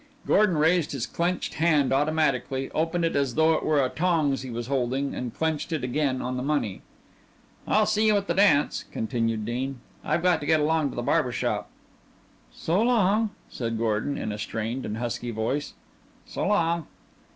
Gordon raised his clenched hand automatically, opened it as though it were a tongs he was holding, and clenched it again on the money. "I'll see you at the dance," continued Dean. "I've got to get along to the barber shop." "So long," said Gordon in a strained and husky voice. "So long."